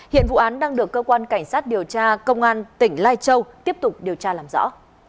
hiện vụ án đang được cơ quan cảnh sát điều tra công an tỉnh lai châu tiếp tục điều tra làm rõ